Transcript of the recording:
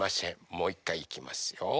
もういっかいいきますよ。